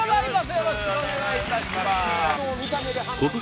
よろしくお願いします